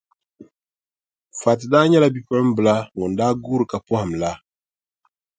Fati daa nyɛla bipuɣimbila ŋun daa guuri ka pɔhim la.